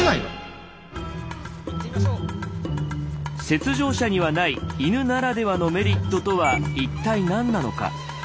雪上車にはない犬ならではのメリットとは一体何なのか。